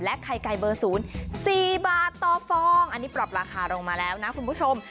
ไข่ไก่เบอร์๐๔บาทต่อฟองอันนี้ปรับราคาลงมาแล้วนะคุณผู้ชม